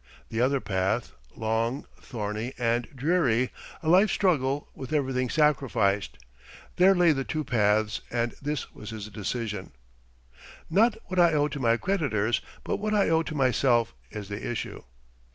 The other path, long, thorny, and dreary, a life struggle, with everything sacrificed. There lay the two paths and this was his decision: "Not what I owe to my creditors, but what I owe to myself is the issue."